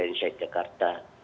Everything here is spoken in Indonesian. iain syed jakarta